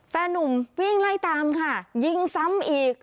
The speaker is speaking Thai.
แฟนนุ่มวิ่งไล่ตามค่ะยิงซ้ำอีก